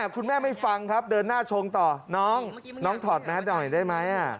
คุณแม่ไม่ฟังครับเดินหน้าชงต่อน้องน้องถอดแมสหน่อยได้ไหม